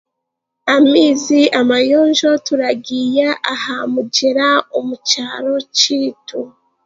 Amaizi amayonjo turagaiha aha mugyera omu kyaro kyaitu